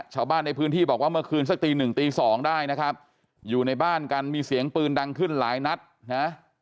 ชาวบ้านในพื้นที่บอกว่าเมื่อคืนสักตีหนึ่งตีสองได้นะครับอยู่ในบ้านกันมีเสียงปืนดังขึ้นหลายนัดนะ